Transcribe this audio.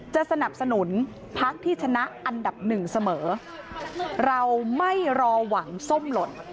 สนับสนุนพักที่ชนะอันดับหนึ่งเสมอเราไม่รอหวังส้มหล่น